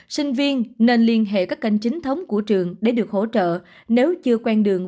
sinh viên nên liên hệ các kênh chính thống của trường để được hỗ trợ nếu chưa quen đường